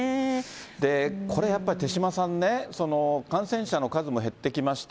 これ、やっぱり、手嶋さんね、感染者の数も減ってきました、